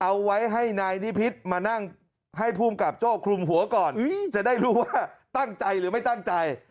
เอาไว้ให้นายนิพิษมานั่งให้ภูมิกับโจ้คลุมหัวก่อนจะได้รู้ว่าตั้งใจหรือไม่ตั้งใจ